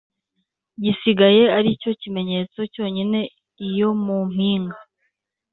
gisigaye ari cyo kimenyetso cyonyine iyo mu mpinga.